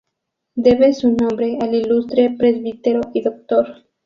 Debe su nombre al ilustre Presbítero y Dr.